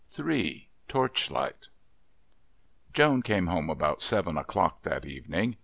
Torchlight Joan came home about seven o'clock that evening.